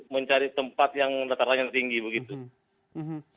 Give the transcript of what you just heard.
mencari tempat yang datarannya tinggi begitu